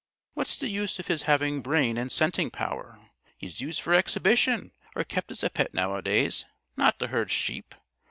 What's the use of his having brain and scenting power? He's used for exhibition or kept as a pet nowadays not to herd sheep.